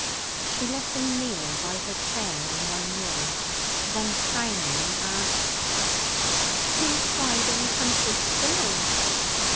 She let him kneel by her chair on one knee; then, frowning, asked: 'Who cried in Hunter's Spinney?'